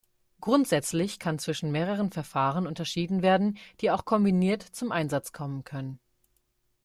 Grundsätzlich kann zwischen mehreren Verfahren unterschieden werden, die auch kombiniert zum Einsatz kommen können.